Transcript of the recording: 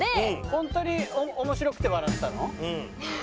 本当に面白くて笑ってたの？